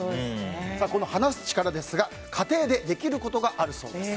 この話す力家庭でできることがあるそうです。